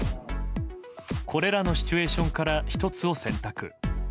これらのシチュエーションから１つを選択。